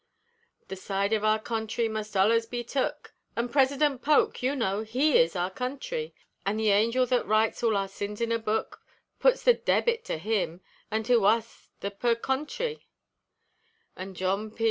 The side of our country must ollers be took, An' President Polk, you know, he is our country. An' the angel thet writes all our sins in a book Puts the debit to him, an' to us the per contry; An' John P.